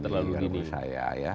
terlalu dini menurut saya ya